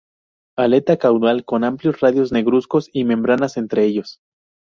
Aleta caudal con amplios radios negruzcos y membranas entre ellos.